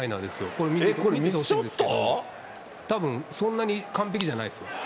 これ見ててほしいんですけど、たぶん、そんなに完璧じゃないですね。